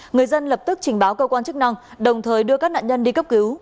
người dân lập tức trình báo cơ quan chức năng đồng thời đưa các nạn nhân đi cấp cứu